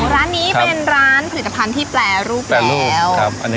ร้านนี้เป็นร้านผลิตภัณฑ์ที่แปรรูปไปแล้ว